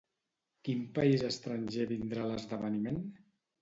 Quin país estranger vindrà a l'esdeveniment?